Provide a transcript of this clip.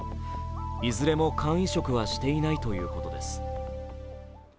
いずれも肝移植はしていないということです。